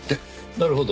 なるほど。